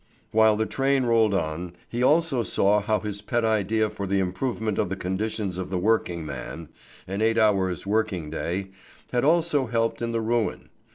While the train rolled on, he also saw how his pet idea for the improvement of the conditions of the working man, an eight hours' working day, had also helped in the ruin.